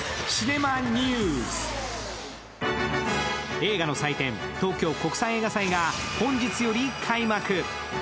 映画の祭典、東京国際映画祭が本日より開幕。